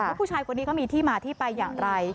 ผู้ชายคนนี้เขามีที่มาที่ไปอย่างไร